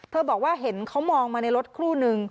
บอกว่าเห็นเขามองมาในรถครู่นึง